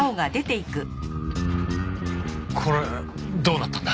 これどうなったんだ？